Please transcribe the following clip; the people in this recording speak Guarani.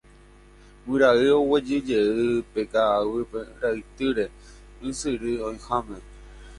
Guyra'i oguejyguejy pe ka'aguy ra'ytýre ysyry oĩháme